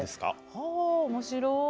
はあ面白い。